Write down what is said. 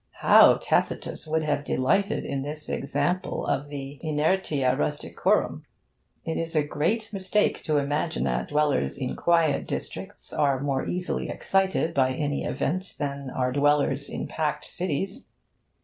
How Tacitus would have delighted in this example of the 'inertia rusticorum'! It is a great mistake to imagine that dwellers in quiet districts are more easily excited by any event than are dwellers in packed cities.